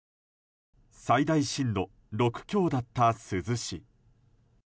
最大震度６強だった珠洲市。